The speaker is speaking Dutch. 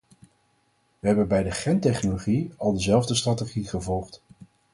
We hebben bij de gentechnologie al dezelfde strategie gevolgd.